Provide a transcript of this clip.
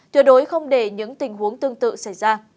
tuyệt đối không để những tình huống tương tự xảy ra